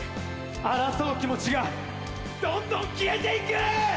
争う気持ちがどんどん消えて行く！